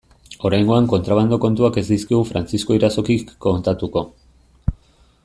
Oraingoan kontrabando kontuak ez dizkigu Frantzisko Irazokik kontatuko.